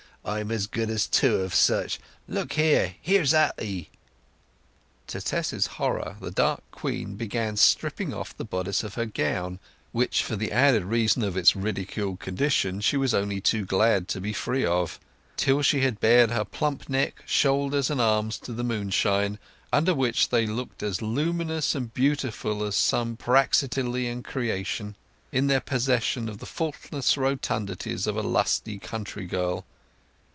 I'm as good as two of such! Look here—here's at 'ee!" To Tess's horror the dark queen began stripping off the bodice of her gown—which for the added reason of its ridiculed condition she was only too glad to be free of—till she had bared her plump neck, shoulders, and arms to the moonshine, under which they looked as luminous and beautiful as some Praxitelean creation, in their possession of the faultless rotundities of a lusty country girl.